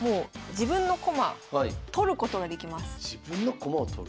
自分の駒を取ることができる？